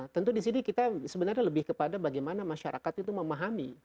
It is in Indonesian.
tentu di sini kita sebenarnya lebih kepada bagaimana masyarakat itu memahami